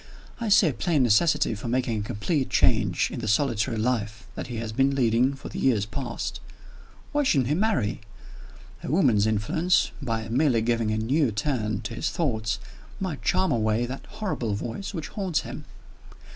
I see a plain necessity for making a complete change in the solitary life that he has been leading for years past. Why shouldn't he marry? A woman's influence, by merely giving a new turn to his thoughts, might charm away that horrible voice which haunts him.